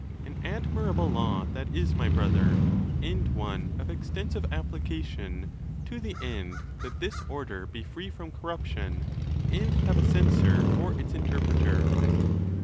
—An admirable law that is, my brother, and one of extensive application, to the end that this order be free from corruption, and have a censor for its interpreter.